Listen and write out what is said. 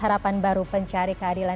harapan baru pencari keadilan